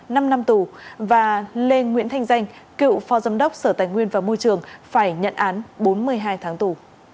năm năm tù và lê nguyễn thanh danh cựu phó giám đốc sở tài nguyên và môi trường phải nhận án bốn mươi hai tháng tù